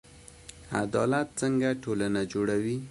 عدالت څنګه ټولنه جوړوي؟